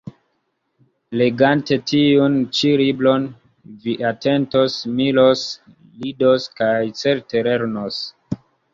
Legante tiun ĉi libron, vi atentos, miros, ridos kaj, certe, lernos.